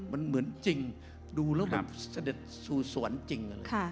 มันเหมือนจริงดูแล้วแบบเสด็จสู่สวรรค์จริงเลย